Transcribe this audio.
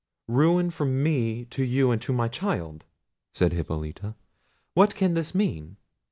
"Ruin from me to you and to my child!" said Hippolita "what can this mean?"